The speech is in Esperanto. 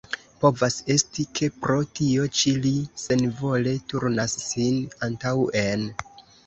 Povas esti, ke pro tio ĉi li senvole turnas sin antaŭen.